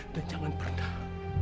dan jangan pernah